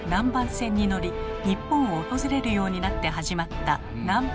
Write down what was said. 船に乗り日本を訪れるようになって始まった南蛮貿易。